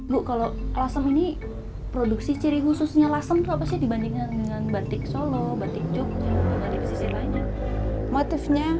bu kalau lasem ini produksi ciri khususnya lasem itu apa sih dibandingkan dengan batik solo batik jogja di pesisir lainnya